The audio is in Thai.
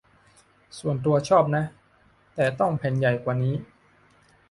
ส่วนตัวชอบนะ แต่ต้องแผ่นใหญ่กว่านี้